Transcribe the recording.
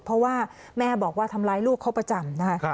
เพราะว่าแม่บอกว่าทำร้ายลูกเขาประจำนะคะ